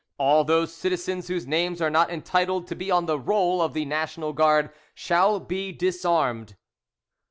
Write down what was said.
All those citizens whose names are not entitled to be on the roll of the National Guard shall be disarmed.